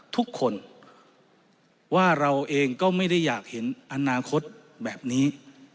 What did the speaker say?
ทุกคนว่าเราเองก็ไม่ได้อยากเห็นอนาคตแบบนี้